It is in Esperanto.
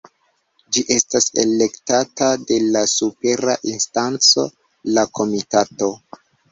Ĝi estas elektata de la supera instanco, la Komitato.